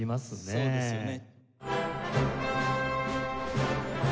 そうですよね。